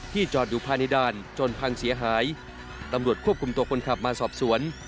จอดอยู่ภายในด่านจนพังเสียหายตำรวจควบคุมตัวคนขับมาสอบสวน